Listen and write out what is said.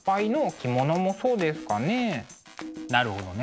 なるほどね。